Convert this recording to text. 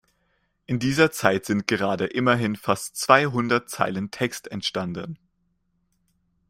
In dieser Zeit sind gerade immerhin fast zweihundert Zeilen Text entstanden.